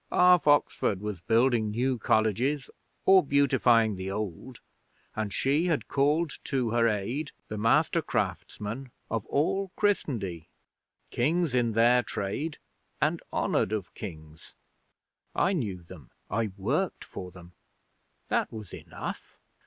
Half Oxford was building new colleges or beautifying the old, and she had called to her aid the master craftsmen of all Christendie kings in their trade and honoured of Kings. I knew them. I worked for them: that was enough.